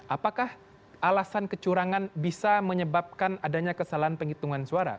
apakah alasan kecurangan bisa menyebabkan adanya kesalahan penghitungan suara